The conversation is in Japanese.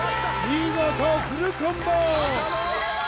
見事フルコンボ！